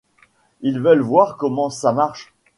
Ils veulent voir comment ça marche.